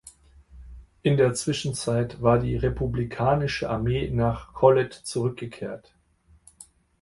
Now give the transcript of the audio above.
In der Zwischenzeit war die republikanische Armee nach Cholet zurückgekehrt.